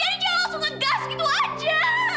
daddy jangan langsung ngegas gitu aja